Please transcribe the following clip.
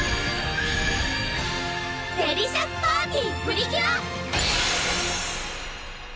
デリシャスパーティプリキュア！